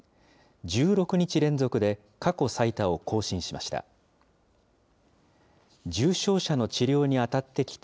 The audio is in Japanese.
１６日連続で過去最多を更新しました。